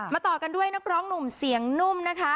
ต่อกันด้วยนักร้องหนุ่มเสียงนุ่มนะคะ